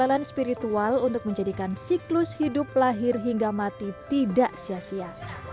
berjalan spiritual untuk menjadikan siklus hidup lahir hingga mati tidak sia sia